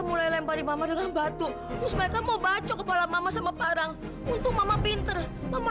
mulai lempari mama dengan batu semesta mau bacok kepala mama sama parang untuk mama pinter mama